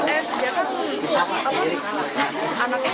eh sejak itu anaknya sudah muda banget